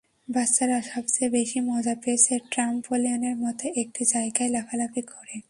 বাচ্চারা সবচেয়ে বেশি মজা পেয়েছে ট্রামপলিনের মতো একটি জায়গায় লাফালাফি করে।